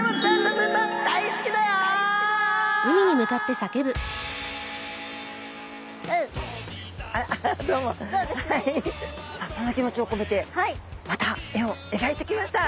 さあそのきもちをこめてまた絵をえがいてきました。